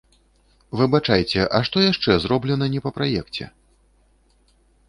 Выбачайце, а што яшчэ зроблена не па праекце?